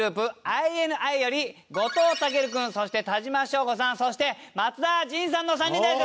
ＩＮＩより後藤威尊君そして田島将吾さんそして松田迅さんの３人です。